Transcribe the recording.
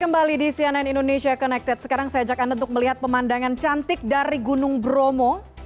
kembali di cnn indonesia connected sekarang saya ajak anda untuk melihat pemandangan cantik dari gunung bromo